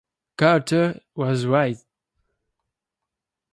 Carter was right.